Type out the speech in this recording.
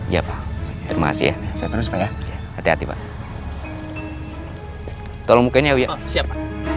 ya pak terima kasih ya saya terus pak ya hati hati pak tolong bukainya ya siap siap